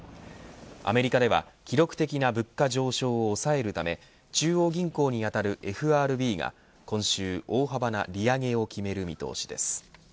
アメリカでは記録的な物価上昇を抑えるため中央銀行にあたるＦＲＢが今週大幅な利上げを決める見通しです。